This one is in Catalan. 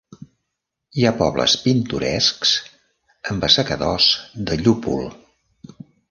Hi ha pobles pintorescs amb assecadors de llúpol.